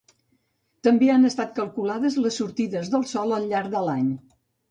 També han estat calculades les sortides del Sol al llarg de l'any.